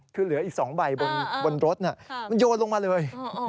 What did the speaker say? คือเหลืออีก๒ใบบนรถมันโยนลงมาเลย